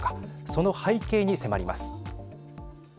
その背景に迫ります。